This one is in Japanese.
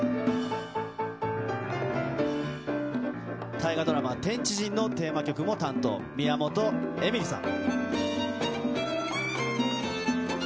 大河ドラマ、天地人のテーマ曲も担当、宮本笑里さん。